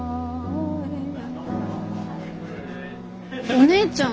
お姉ちゃん。